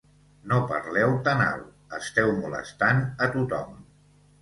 No parleu tan alt, esteu molestant a tothom